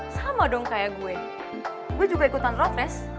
sama dong kayak gue gue juga ikutan road race